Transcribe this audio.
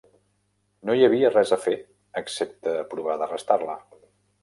No hi havia res a fer excepte provar d'arrestar-la.